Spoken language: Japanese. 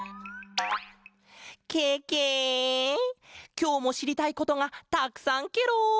きょうもしりたいことがたくさんケロ！